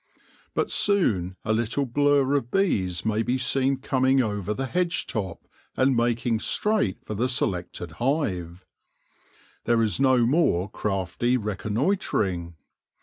But soon a little blur of bees may be seen coming over the hedge top, and making straight for the selected hive. There is no more crafty reconnoitring.